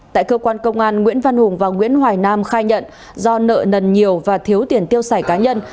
tại cơ quan công an nguyễn văn hùng và nguyễn hoài nam khai nhận do nợ nần nhiều và thiếu tiền tiêu xài cá nhân